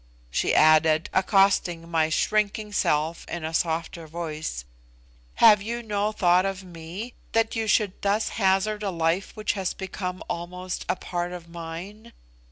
(she added, accosting my shrinking self in a softer voice), "have you no thought of me, that you should thus hazard a life which has become almost a part of mine?